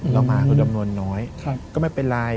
แล้วมาก็จำนวนน้อยก็ไม่เป็นไร